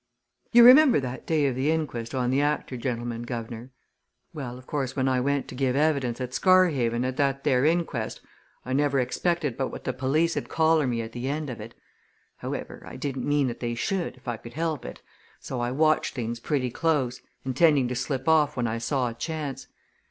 "You remember that day of the inquest on the actor gentleman, guv'nor? Well, of course, when I went to give evidence at Scarhaven, at that there inquest, I never expected but what the police 'ud collar me at the end of it. However, I didn't mean that they should, if I could help it, so I watched things pretty close, intending to slip off when I saw a chance.